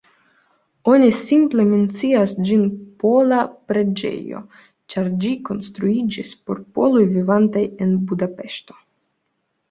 Oni simple mencias ĝin "pola preĝejo", ĉar ĝi konstruiĝis por poloj vivantaj en Budapeŝto.